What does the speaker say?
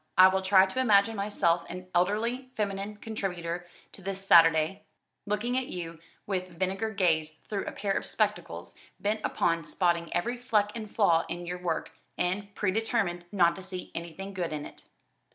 "I will try to imagine myself an elderly feminine contributor to the 'Saturday,' looking at you with vinegar gaze through a pair of spectacles, bent upon spotting every fleck and flaw in your work, and predetermined not to see anything good in it."